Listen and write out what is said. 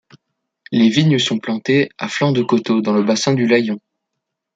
Les vignes sont plantées à flanc de coteau dans le bassin du Layon.